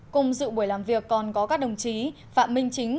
cùng dự buổi làm việc còn có các đồng chí phạm minh chính